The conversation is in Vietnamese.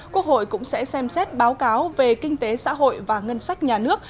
quốc hội cũng sẽ xem xét báo cáo về kinh tế xã hội và ngân sách nhà nước